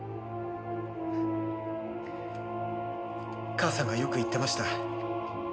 母さんがよく言ってました。